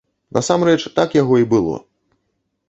Насамрэч, так яго і было.